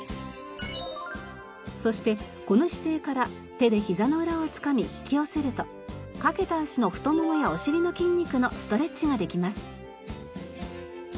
そしてこの姿勢から手でひざの裏をつかみ引き寄せるとかけた足の太ももやお尻の筋肉のストレッチができます。